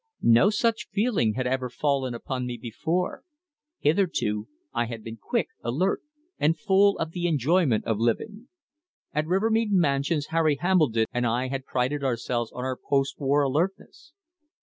No such feeling had ever fallen upon me before. Hitherto I had been quick, alert, and full of the enjoyment of living. At Rivermead Mansions Harry Hambledon and I had prided ourselves on our post war alertness.